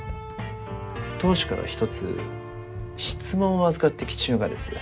当主から一つ質問を預かってきちゅうがです。